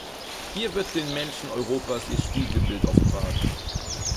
Hier wird den Menschen Europas ihr Spiegelbild offenbart.